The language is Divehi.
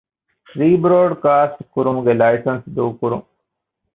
ރީބްރޯޑްކާސްޓް ކުރުމުގެ ލައިސަންސް ދޫކުރުން